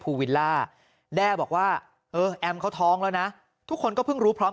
วิลล่าแด้บอกว่าเออแอมเขาท้องแล้วนะทุกคนก็เพิ่งรู้พร้อม